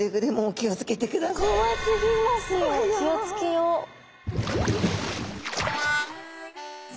気を付けよう。